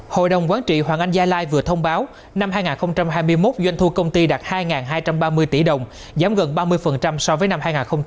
hội đồng quán trị hoàng anh gia lai vừa thông báo năm hai nghìn hai mươi một doanh thu công ty đạt hai hai trăm ba mươi tỷ đồng giảm gần ba mươi so với năm hai nghìn hai mươi hai